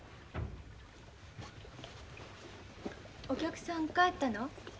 お客さん帰ったの？